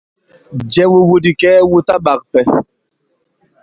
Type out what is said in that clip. Jɛ wu iwu di kɛɛ wu ta ɓak ipɛ.